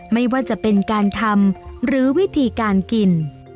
ไม่ว่าจะเป็นการทำหรือวิธีการกิน